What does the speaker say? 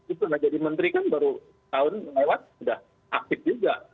itu nggak jadi menteri kan baru tahun lewat sudah aktif juga